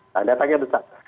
nah anda tanya besar